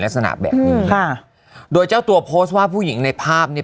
ลักษณะแบบนี้ค่ะโดยเจ้าตัวโพสต์ว่าผู้หญิงในภาพเนี่ย